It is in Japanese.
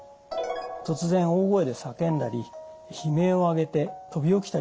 突然大声で叫んだり悲鳴を上げて飛び起きたりします。